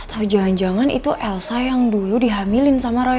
atau jangan jangan itu elsa yang dulu dihamilin sama roy